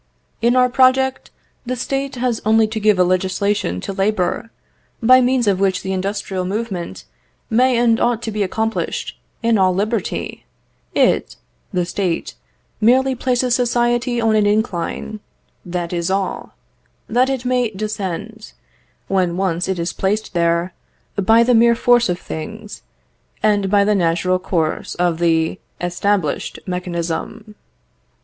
"In our project, the State has only to give a legislation to labour, by means of which the industrial movement may and ought to be accomplished in all liberty. It (the State) merely places society on an incline (that is all) that it may descend, when once it is placed there, by the mere force of things, and by the natural course of the established mechanism."